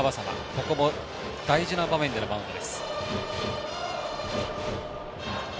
ここも大事な場面でのマウンド。